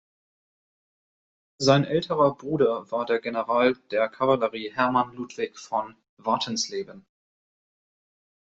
Sein älterer Bruder war der General der Kavallerie Hermann Ludwig von Wartensleben.